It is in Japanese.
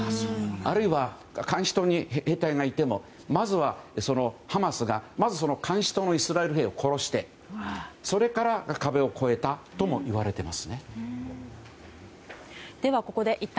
あるいは監視塔に兵隊がいてもまずはハマスがまず監視塔のイスラエル兵を殺して今夜は生放送でお送りしています。